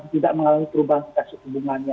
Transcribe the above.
tidak mengalami perubahan suku bunganya